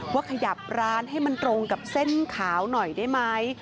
ว่าขยับร้านให้มันตรงกับเส้นขาวหน่อยได้ไหม